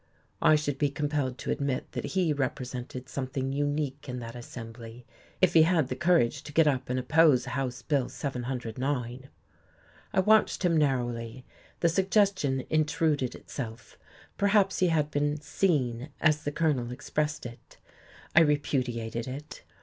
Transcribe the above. I should be compelled to admit that he represented something unique in that assembly if he had the courage to get up and oppose House Bill 709. I watched him narrowly; the suggestion intruded itself perhaps he had been "seen," as the Colonel expressed it. I repudiated it.